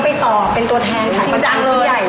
ก็ไปสอบเป็นตัวแทนขายประกันขึ้นใหญ่เลย